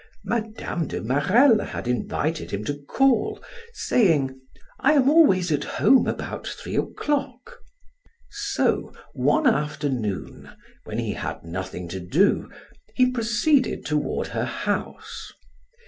Mme. de Marelle had invited him to call, saying: "I am always at home about three o'clock." So one afternoon, when he had nothing to do, he proceeded toward her house.